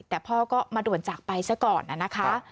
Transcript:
แต่พ่อก็มาด่วนจากไปซะก่อนนะคะ